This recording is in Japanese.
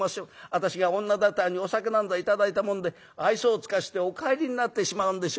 私が女だてらにお酒なんぞ頂いたもんで愛想を尽かしてお帰りになってしまうんでしょ』